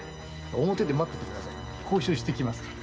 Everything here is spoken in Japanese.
表で待っててください交渉してきますから。